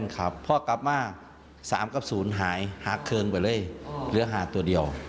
๓กับ๐หายหาร์เคิงไปเลยเหลือ๕ตัวเดียว